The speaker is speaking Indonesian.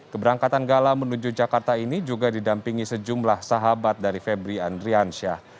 keberangkatan gala menuju jakarta ini juga didampingi sejumlah sahabat dari febri andriansyah